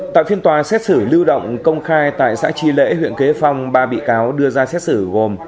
tại phiên tòa xét xử lưu động công khai tại xã tri lễ huyện kế phong ba bị cáo đưa ra xét xử gồm